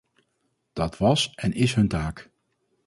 Dat was en is hun taak.